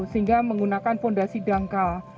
sehingga menggunakan fondasi dangkal